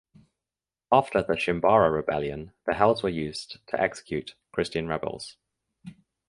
After the Shimabara Rebellion the Hells were used to execute Christian rebels.